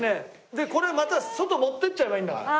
でこれまた外持っていっちゃえばいいんだから。